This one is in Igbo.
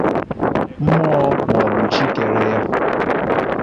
mmụọ ma ọ bụ Chi kere ya